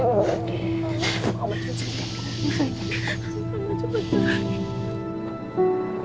terima kasih mama